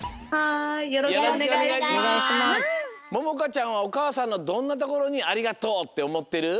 ちゃんはおかあさんのどんなところにありがとうっておもってる？